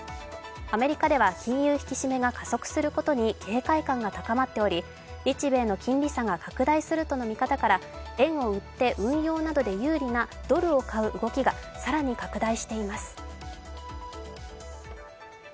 アメリカでは、金融引き締めが加速することに警戒感が高まっており日米の金利差が拡大するとの見方から円を売って運用などで有利なドルを買う動きが更に拡大しています。